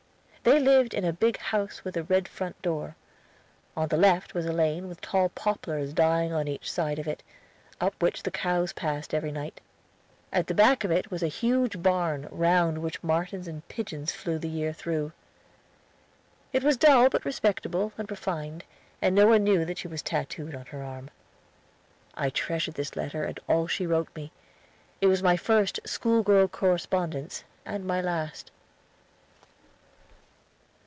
They lived in a big house with a red front door. On the left was a lane with tall poplars dying on each side of it, up which the cows passed every night. At the back of it was a huge barn round which martins and pigeons flew the year through. It was dull but respectable and refined, and no one knew that she was tattooed on the arm. I treasured this letter and all she wrote me. It was my first school girl correspondence and my last.